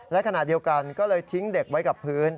และขณะเดียวกันก็เลยทิ้งเด็กไว้กับพื้น